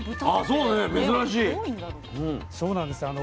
そうなんですよ。